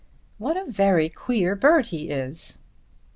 "What a very queer bird he is."